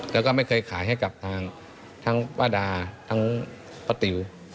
แล้วก็ไม่เคยขายให้กับทางทั้งป้าดาทั้งป้าติ๋ว